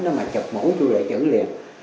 nó mà chập mũ tôi lại chửi liền